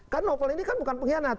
kan novel ini kan bukan pengkhianat